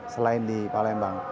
selain di palembang